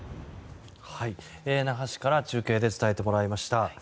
那覇市から中継で伝えてもらいました。